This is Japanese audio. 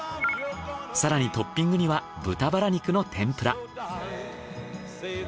更にトッピングには豚バラ肉の天ぷら。